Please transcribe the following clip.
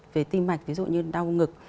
về tim mạch ví dụ như đau ngực